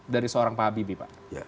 dari seorang pak habibie pak